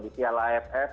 di tiala aff